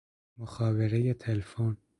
مخابره تلفن